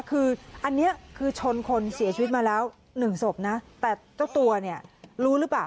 คืออันนี้คือชนคนเสียชีวิตมาแล้วหนึ่งศพนะแต่เจ้าตัวเนี่ยรู้หรือเปล่า